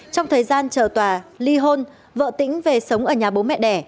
trong thời gian chờ tòa ly hôn vợ tĩnh về sống ở nhà bố mẹ đẻ